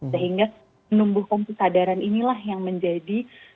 sehingga penumbuh kompu sadaran inilah yang menjadi